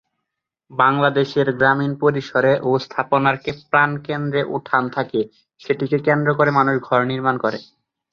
বাংলাদেশের গ্রামীণ পরিসরে ও স্থাপনার প্রাণকেন্দ্রে উঠান থাকে, সেটিকে কেন্দ্র করে মানুষ ঘর নির্মাণ করে।